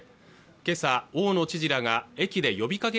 今朝大野知事らが駅で呼びかけ